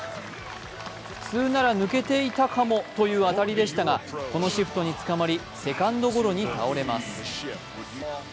普通なら抜けていたかもという当たりでしたが、このシフトにつかまりセカンゴドロに倒れます。